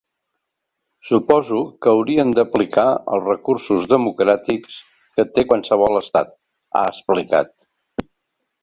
Suposo que haurien d’aplicar els recursos democràtics que té qualsevol estat, ha explicat.